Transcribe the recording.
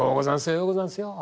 ようござんすよ。